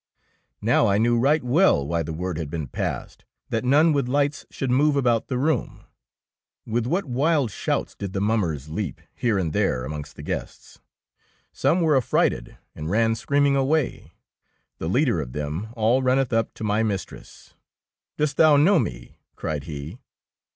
Now I knew right well why the word had been passed that none with lights should move about the room. With what wild shouts did 4 49 DEEDS OF DAEING the mummers leap here and there amongst the guests! Some were af frighted and ran screaming away. The leader of them all runneth up to my mistress. Dost thou know me ? cried he.